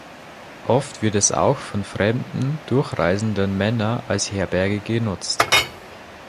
Oft wird es auch von fremden, durchreisenden Männern als Herberge genutzt.